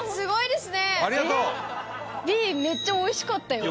めっちゃおいしかったよ。